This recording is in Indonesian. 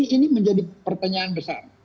ini menjadi pertanyaan besar